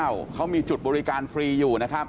โควิด๑๙เขามีจุดบริการฟรีอยู่นะครับ